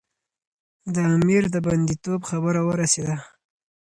د امیر د بندي توب خبره ورسېده.